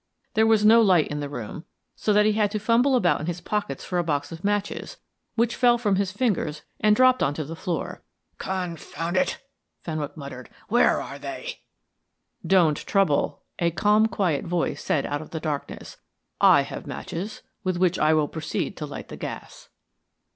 There was no light in the room, so that he had to fumble about in his pockets for a box of matches which fell from his fingers and dropped on to the floor. "Confound it," Fenwick muttered. "Where are they?" "Don't trouble," a calm, quiet voice said out of the darkness. "I have matches, with which I will proceed to light the gas."